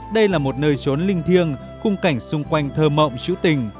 đây là một nơi trốn linh thiêng khung cảnh xung quanh thơ mộng chữ tình